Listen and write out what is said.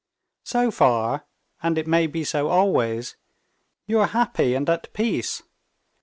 "So far—and it may be so always—you are happy and at peace.